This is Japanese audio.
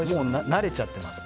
慣れちゃってます。